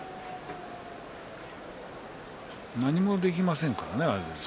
何もできませんからね。